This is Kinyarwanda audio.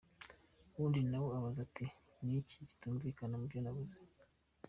Uwundi nawe abaza ati: "Ni igiki kitumvikana muvyo yavuze?".